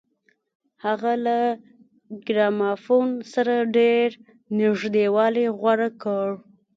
هغه له ګرامافون سره ډېر نږدېوالی غوره کړ